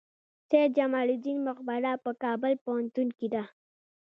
سید جمال الدین مقبره په کابل پوهنتون کې ده؟